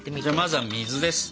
まずは水です。